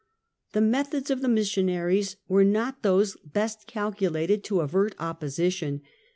The methods of the missionaries were not those best calculated to avert op position.